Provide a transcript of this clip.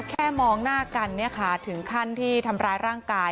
มองหน้ากันถึงขั้นที่ทำร้ายร่างกาย